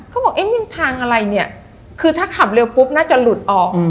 บอกเอ๊ะริมทางอะไรเนี่ยคือถ้าขับเร็วปุ๊บน่าจะหลุดออก